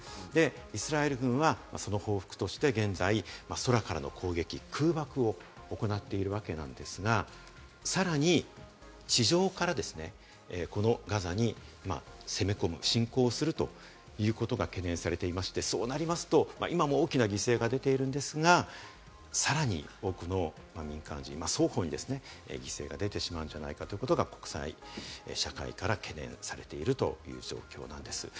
イスラエル軍はその報復として現在、空からの攻撃、空爆を行っているわけなんですが、さらに地上からこのガザに攻め込む、侵攻するということが懸念されていまして、そうなりますと、今も大きな犠牲が出ているんですが、さらに多くの民間人、双方にですね、犠牲が出てしまうんじゃないかということが、国際社会から懸念されているという状況なんです。